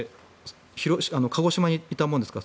鹿児島にいたものですから。